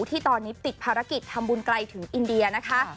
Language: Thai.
ที่ตอนนี้ติดภารกิจทำบุญไกลถึงอินเดียนะคะ